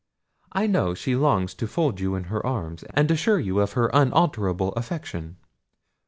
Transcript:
I know she longs to fold you in her arms, and assure you of her unalterable affection."